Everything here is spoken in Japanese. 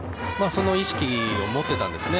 その意識を持っていたんですね。